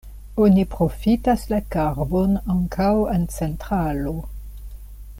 Oni profitas la karbon ankaŭ en centralo.